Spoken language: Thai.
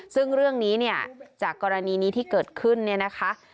ซึ่งเรื่องนี้เนี่ยจากกรณีนี้ที่เกิดขึ้นเนี่ยนะคะ